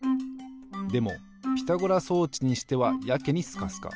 でもピタゴラ装置にしてはやけにスカスカ。